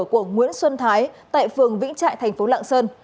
của nguyễn xuân thái tại phường vĩnh trại thành phố lạng sơn